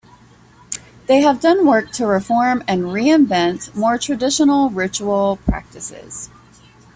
They have done work to reform and re-invent more traditional ritual practices.